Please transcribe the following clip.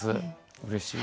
うれしい。